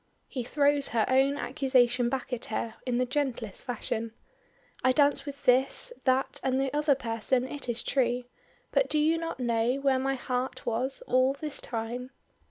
He throws her own accusation back at her in the gentlest fashion. "I danced with this, that, and the other person it is true, but do you not know where my heart was all this time?"